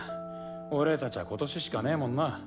俺たちゃ今年しかねぇもんな。